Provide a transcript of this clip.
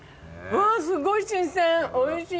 わすごい新鮮おいしい。